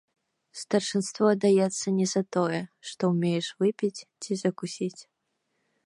Старшынство даецца не за тое, што ўмееш выпіць ці закусіць.